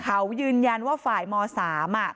เขายืนยันว่าฝ่ายม๓อ่ะ